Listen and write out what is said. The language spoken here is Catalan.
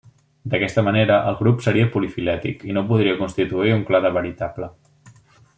D'aquesta manera el grup seria polifilètic i no podria constituir un clade veritable.